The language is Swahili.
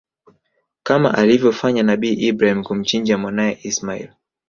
Kama alivyofanya nabii Ibrahim kumchinja mwanae Ismail